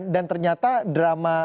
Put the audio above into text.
dan ternyata drama